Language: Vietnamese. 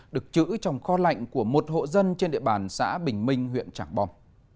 được chữ trong kho lạnh của một hộ dân trên địa bàn xã bình minh huyện trảng bom